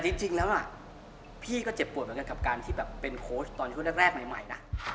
ที่แบบเป็นโค้ชตอนที่ก็แรกใหม่นะ